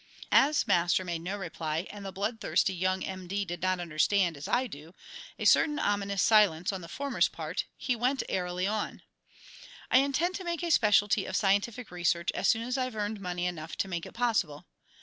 As Master made no reply and the blood thirsty young M. D. did not understand, as I do, a certain ominous silence on the former's part, he went airily on: "I intend to make a specialty of scientific research as soon as I've earned money enough to make it possible.